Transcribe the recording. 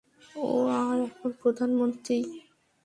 আর এখন প্রধানমন্ত্রী।